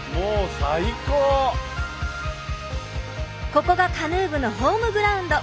ここがカヌー部のホームグラウンド。